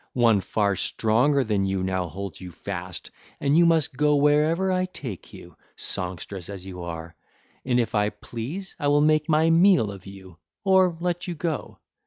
One far stronger than you now holds you fast, and you must go wherever I take you, songstress as you are. And if I please I will make my meal of you, or let you go.